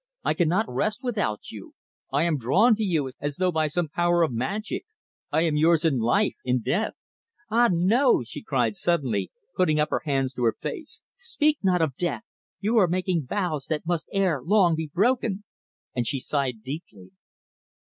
I cannot rest without you; I am drawn to you as though by some power of magic. I am yours in life, in death." "Ah, no!" she cried suddenly, putting up her hands to her face. "Speak not of death. You are making vows that must ere long be broken," and she sighed deeply.